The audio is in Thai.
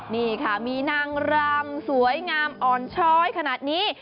นี่ค่ะมีนางรำสวยงามอ่อนช้อยขนาดนี้